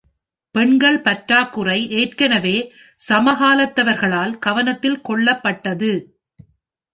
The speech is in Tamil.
பெண்கள் பற்றாக்குறை ஏற்கனவே சமகாலத்தவர்களால் கவனத்தில்கொள்ளப்பட்டது.